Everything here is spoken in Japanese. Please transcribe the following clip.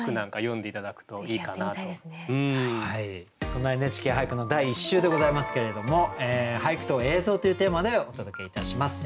そんな「ＮＨＫ俳句」の第１週でございますけれども「俳句と映像」というテーマでお届けいたします。